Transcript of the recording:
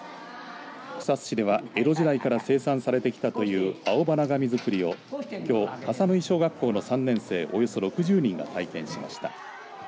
草津市では、江戸時代から生産されてきたという青花紙作りをきょう、笠縫小学校の３年生およそ６０人が体験しました。